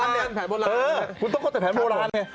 เออคุณต้องกดแต่แผนโบราณเลย